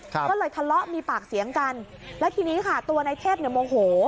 ก็เลยทะเลาะมีปากเสียงกันแล้วทีนี้ค่ะตัวนายเทพเนี่ยโมโห